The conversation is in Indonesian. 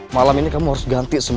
malam ini kamu harus ganti